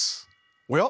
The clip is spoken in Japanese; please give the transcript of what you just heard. おや？